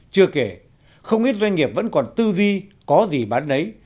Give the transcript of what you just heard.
chưa kể không ít doanh nghiệp vẫn còn tư duy có gì bán đấy